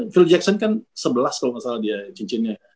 phil jackson kan sebelas kalau gak salah dia cincinnya